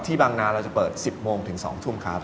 บางนาเราจะเปิด๑๐โมงถึง๒ทุ่มครับ